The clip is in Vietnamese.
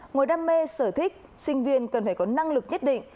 ngoài đam mê sở thích sinh viên cần phải có năng lực nhất định